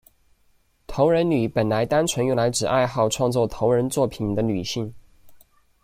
同人女本来单纯用来指爱好创作同人作品的女性。